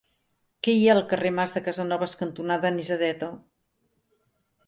Què hi ha al carrer Mas Casanovas cantonada Anisadeta?